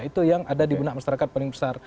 itu yang ada di benak masyarakat paling besar